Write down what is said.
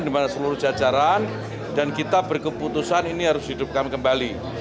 di mana seluruh jajaran dan kita berkeputusan ini harus dihidupkan kembali